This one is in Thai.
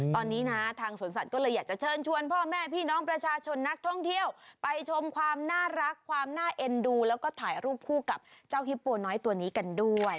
ตอนนี้นะทางสวนสัตว์ก็เลยอยากจะเชิญชวนพ่อแม่พี่น้องประชาชนนักท่องเที่ยวไปชมความน่ารักความน่าเอ็นดูแล้วก็ถ่ายรูปคู่กับเจ้าฮิปโปน้อยตัวนี้กันด้วย